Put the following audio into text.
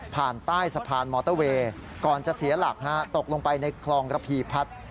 ใต้สะพานมอเตอร์เวย์ก่อนจะเสียหลักตกลงไปในคลองระพีพัฒน์